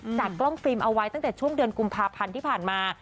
จากกล้องฟิล์มเอาไว้ตั้งแต่ช่วงเดือนกุมภาพันธ์ที่ผ่านมา